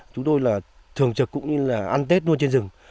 chúng tôi là thường trực cũng như là ăn tết luôn trên rừng